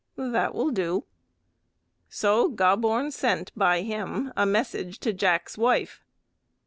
"That will do." So Gobborn sent by him a message to Jack's wife.